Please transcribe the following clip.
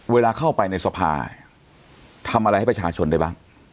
เวลาเข้าไปในสภาทำอะไรให้ประชาชนได้บ้าง